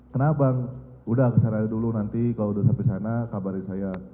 kenapa bang udah kesana dulu nanti kalau udah sampai sana kabarin saya